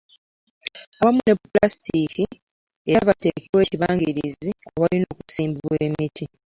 Awamu ne ppulasitiiki era bateekewo n'ekibangirizi awalina okusimbibwa emiti.